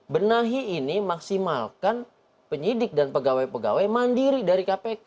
benahi ini maksimalkan penyidik dan pegawai pegawai mandiri dari kpk